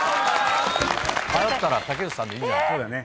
迷ったら竹内さんでいいんじゃない？